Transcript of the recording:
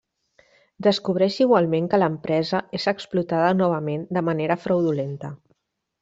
Descobreix igualment que l'empresa és explotada novament de manera fraudulenta.